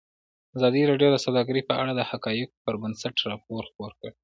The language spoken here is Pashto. ازادي راډیو د سوداګري په اړه د حقایقو پر بنسټ راپور خپور کړی.